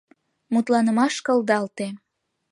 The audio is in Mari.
Мутланымаш кылдалте.